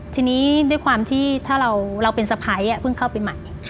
ทีนี้ด้วยความที่ถ้าเราเป็นสะพ้ายเพิ่งเข้าไปใหม่